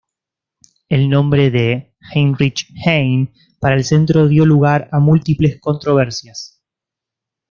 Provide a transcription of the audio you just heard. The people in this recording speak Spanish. El nombre de "Heinrich Heine" para el centro dio lugar a múltiples controversias.